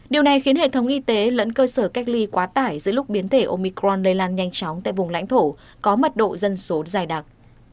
điều này khiến hệ thống y tế lẫn cơ sở cách ly quá tải giữa lúc biến thể omicron lây lan nhanh chóng tại vùng lãnh thổ có mật độ dân số dài đặc